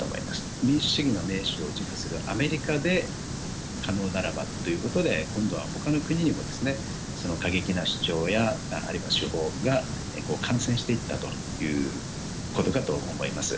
民主主義の盟主を自負するアメリカで可能ならばということで今度は他の国にもですね過激な主張やあるいは手法が感染していったということかと思います。